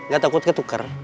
gak takut ketuker